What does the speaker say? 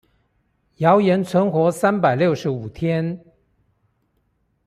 謠言存活三百六十五天